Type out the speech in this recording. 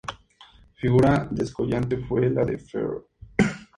Figura descollante fue la de Fr.